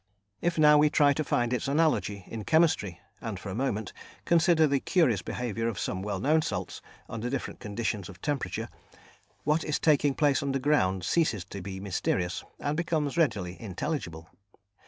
If now we try to find its analogy in chemistry, and for a moment consider the curious behaviour of some well known salts, under different conditions of temperature, what is taking place underground ceases to be mysterious and becomes readily intelligible.